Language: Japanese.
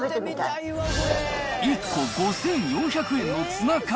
１個５４００円のツナ缶。